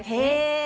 へえ。